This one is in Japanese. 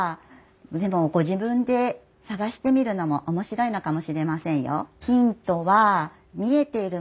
でもご自分で探してみるのも面白いのかもしれませんよ。